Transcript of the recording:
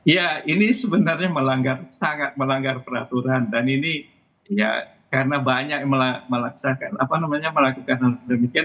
ya ini sebenarnya melanggar sangat melanggar peraturan dan ini ya karena banyak melaksakan apa namanya melakukan hal demikian